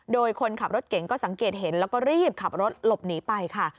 โดยคนขับรถเก่งก็สังเกตเห็นแล้วก็รีบขับรถหลบหนีไปค่ะ